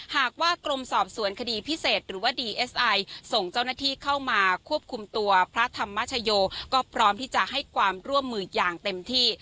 หากว่ากรมสอบสวนคดีพิเศษหรือว่าดีเอสไอส่งเจ้าหน้าที่เข้ามาควบคุมตัวพระธรรมชโยก็พร้อมที่จะให้ความร่วมมืออย่างเต็มที่